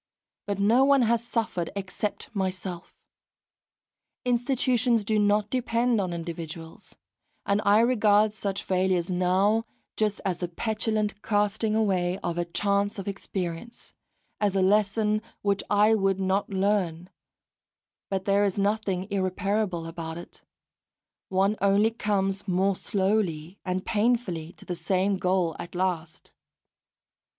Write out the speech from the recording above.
But no one has suffered except myself! Institutions do not depend upon individuals; and I regard such failures now just as the petulant casting away of a chance of experience, as a lesson which I would not learn; but there is nothing irreparable about it; one only comes, more slowly and painfully, to the same goal at last.